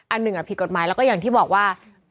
อันหนึ่งผิดกฎหมายแล้วก็อย่างที่บอกว่า